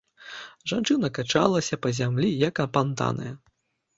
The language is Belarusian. Жанчына качалася па зямлі як апантаная.